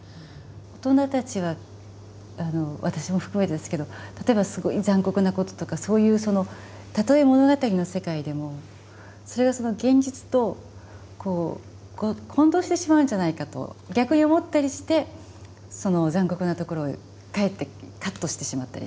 大人たちは私も含めてですけど例えばすごい残酷なこととかそういうそのたとえ物語の世界でもそれが現実と混同してしまうんじゃないかと逆に思ったりしてその残酷なところをかえってカットしてしまったり。